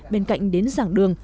bên cạnh đến dạng đường